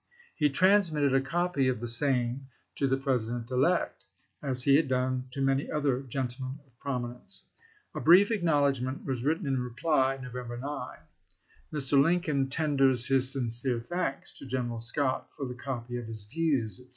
He trans mitted a copy of the same to the President elect, as he had done to many other gentlemen of prominence. A brief acknowledgment was written in reply (No vember 9): "Mr. Lincoln tenders his sincere thanks to General Scott for the copy of his ' Views, etc.